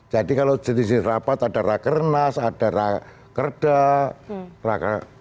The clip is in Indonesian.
jadi kalau jenis jenis rapat ada rakyat kerenas ada rakyat kerdas